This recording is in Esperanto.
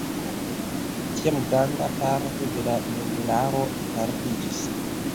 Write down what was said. Tiam granda parto de la meblaro perdiĝis.